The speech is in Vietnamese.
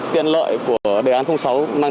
tiện lợi của đề án sáu mang đến